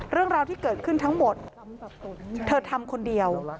เรื่องราวที่เกิดขึ้นทั้งหมดเธอทำคนเดียว